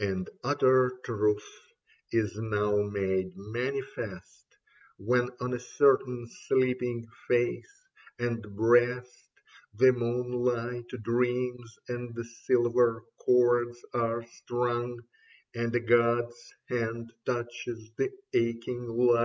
And utter truth is now made manifest When on a certain sleeping face and breast The moonlight dreams and silver chords are strung, And a god's hand touches the aching lyre."